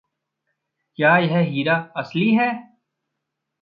क्या यह हीरा असली है?